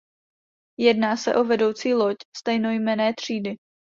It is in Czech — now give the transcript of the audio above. Jedná se o vedoucí loď stejnojmenné třídy.